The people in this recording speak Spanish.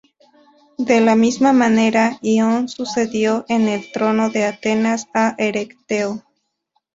De la misma manera, Ión sucedió en el trono de Atenas a Erecteo.